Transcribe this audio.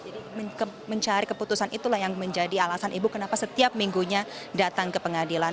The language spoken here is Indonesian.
jadi mencari keputusan itulah yang menjadi alasan ibu kenapa setiap minggunya datang ke pengadilan